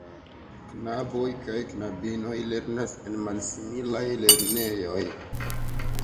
Knaboj kaj knabinoj lernas en malsimilaj lernejoj.